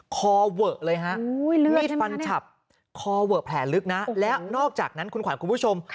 คอเวอะเลยฮะเลือดฟันฉับคอเวอะแผลลึกนะแล้วนอกจากนั้นคุณขวัญคุณผู้ชม